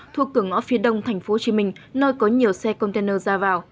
thuộc cửa ngõ phía đông tp hcm nơi có nhiều xe container ra vào